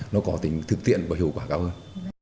nó có tính thực tiện và hiệu quả cao hơn